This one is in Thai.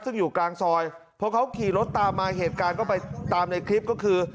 ซึ่งอยู่กลางซอยพอเขาขี่รถตามมาเหตุการณ์ก็ไปตามในคลิปก็คือ